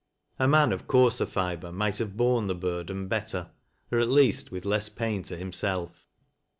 A man of coai ser fiber might have borne the burden better — or at least with iesB pain to himself.